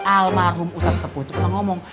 almarhum ustad sepuluh itu pernah ngomong